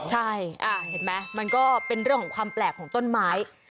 ใช่เห็นไหมมันก็เป็นเรื่องของความแปลกของต้นไม้